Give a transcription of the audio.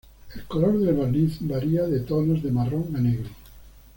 El color del barniz varía de tonos de marrón a negro.